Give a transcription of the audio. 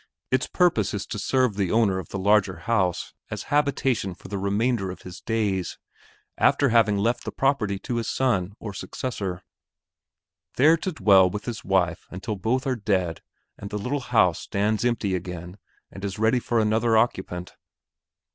Its purpose is to serve the owner of the larger house as habitation for the remainder of his days, after having left the property to his son or successor; there to dwell with his wife until both are dead and the little house stands empty again and is ready for another occupant.